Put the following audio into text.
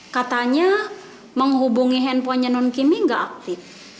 katanya menghubungi handphonenya non kimi tidak aktif